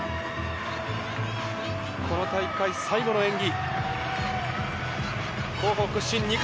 この大会、最後の演技。